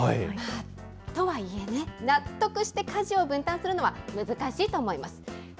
とはいえね、納得して家事を分担するのは難しいと思います。